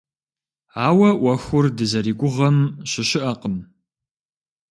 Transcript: Ауэ ӏуэхур дызэригугъэм щыщыӏэкъым.